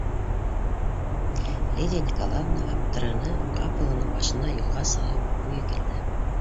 Лидия Николаевна аптыраны, ҡапыл уның башына юлға сығыу уйы килде.